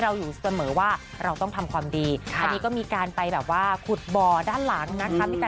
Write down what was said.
ทำดีก็ละกันค่ะ